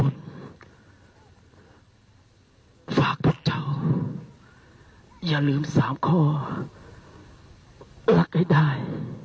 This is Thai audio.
รักให้ได้